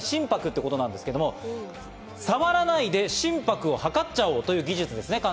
つまり、心拍なんですけど、さわらないで心拍を計っちゃおうという技術です。